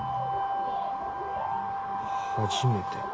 初めて？